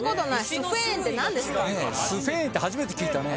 スフェーンって初めて聞いたね。